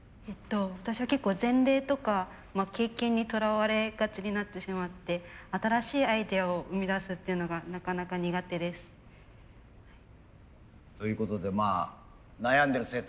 私は結構前例とか経験にとらわれがちになってしまって新しいアイデアを生み出すっていうのがなかなか苦手です。ということでまあ悩んでる生徒も多いみたいです先生。